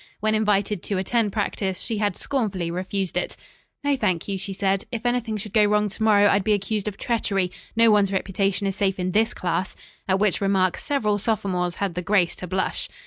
When invited to attend practice she had scornfully refused it. "No, thank you," she said. "If anything should go wrong to morrow I'd be accused of treachery. No one's reputation is safe in this class." At which remark several sophomores had the grace to blush.